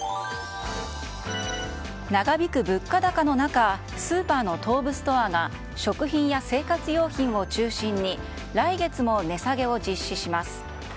長引く物価高の中スーパーの東武ストアが食品や生活用品を中心に来月も値下げを実施します。